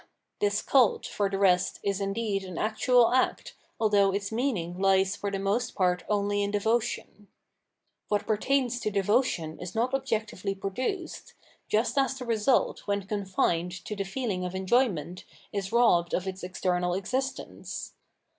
This cult, for the rest, is iadeed an actual act, although its meaning lies for the most part only in devotion. What pertains to devotion is not objectively produced, just as the result when confined to the feeling of enjoy ment* is robbed of its external existence.